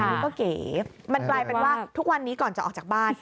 อันนี้ก็เก๋มันกลายเป็นว่าทุกวันนี้ก่อนจะออกจากบ้าน